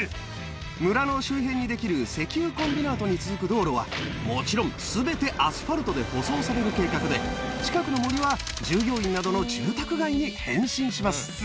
村の周辺に出来る石油コンビナートに続く道路は、もちろん、すべてアスファルトで舗装される計画で、近くの森は従業員などの住宅街に変身します。